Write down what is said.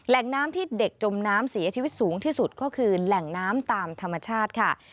แหล่งน้ำที่เด็กจมน้ำเสียชีวิตสูงที่สุดก็คือแหล่งน้ำตามธรรมชาติค่ะ